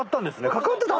架かってた。